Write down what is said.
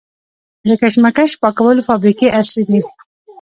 د کشمش پاکولو فابریکې عصري دي؟